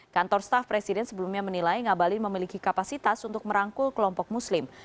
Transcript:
kantor staf presiden sebelumnya menilai ngabalin memiliki kapasitas untuk merangkul kelompok muslim